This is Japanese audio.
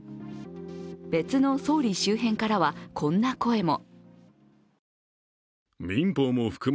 別の総理周辺からはこんな声も。